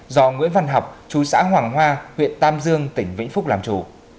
do nguyễn văn học chú xã hoàng hoa huyện tam dương tỉnh vĩnh phúc làm chủ